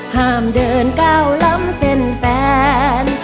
ห้ามเดินก้าวล้ำเส้นแฟน